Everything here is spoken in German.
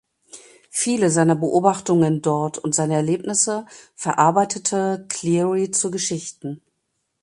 Viele seiner Beobachtungen dort und seine Erlebnisse verarbeitete Cleary zu Geschichten.